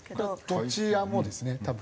どちらもですね多分。